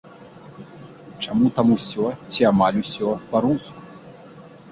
Чаму там усё ці амаль усё па-руску?